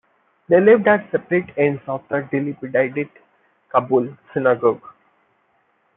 They lived at separate ends of the dilapidated Kabul synagogue.